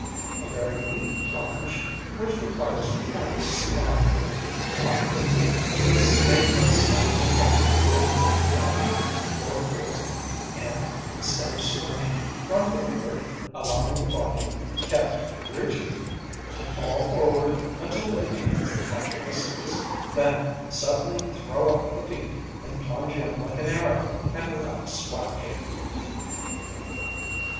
A very neat plunge, which requires practice and a little pluck, is made by standing erect on the brink edge or board and, instead of springing from the board, allowing the body, kept rigid, to fall forward until it attains the proper distance, then suddenly throw up the feet and plunge in like an arrow and without a splash.